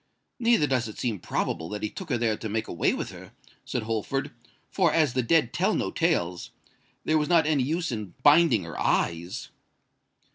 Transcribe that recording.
"Neither does it seem probable that he took her there to make away with her," said Holford; "for, as the dead tell no tales, there was not any use in binding her eyes."